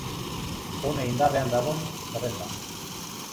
Hona indarrean dagoen zerrenda.